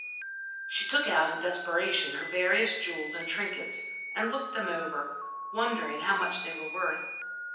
She took out, in desperation, her various jewels and trinkets, and looked them over, wondering how much they were worth.